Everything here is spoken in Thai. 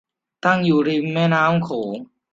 ตั้งอยู่ริมแม่น้ำโขง